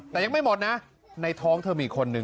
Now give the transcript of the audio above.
แต่ยังไม่หมดนะในท้องเธอมีอีกคนนึง